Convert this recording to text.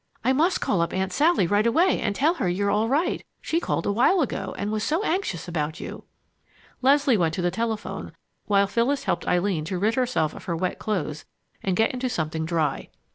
"I must call up Aunt Sally right away and tell her you're all right. She called a while ago and was so anxious about you." Leslie went to the telephone, while Phyllis helped Eileen to rid herself of her wet clothes and get into something dry.